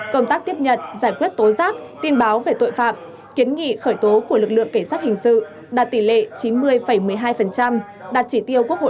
công tác tiếp nhận giải quyết tố giác tin báo về tội phạm kiến nghị khởi tố của lực lượng cảnh sát hình sự đạt tỷ lệ chín mươi một mươi hai đạt chỉ tiêu quốc hội